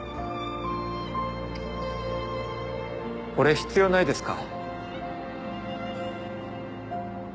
俺必要ないですか？